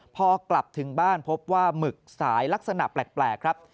พอกลับถึงบ้านพบว่าหมึกสายลักษณะแปลกครับ